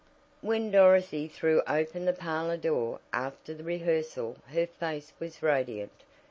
When Dorothy threw open the parlor door after the rehearsal her face was radiant.